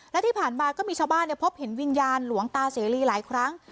และที่ผ่านมาก็มีชาวบ้านพบเห็นวิญญาณหลวงตาเสรีหลายครั้ง